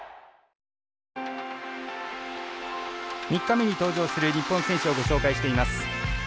３日目に登場する日本選手をご紹介しています。